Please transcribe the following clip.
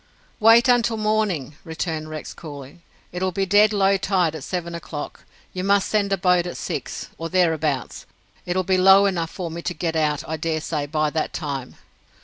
"Wait until morning," returned Rex coolly. "It will be dead low tide at seven o'clock. You must send a boat at six, or there abouts. It will be low enough for me to get out, I dare say, by that time."